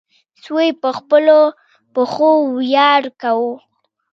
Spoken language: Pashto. سوی په خپلو پښو ویاړ کاوه.